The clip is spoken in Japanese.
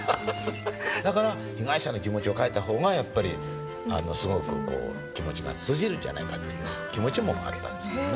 だから被害者の気持ちを描いた方がやっぱりすごく気持ちが通じるんじゃないかという気持ちもあったんですけどね。